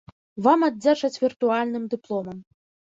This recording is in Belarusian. Вам аддзячаць віртуальным дыпломам.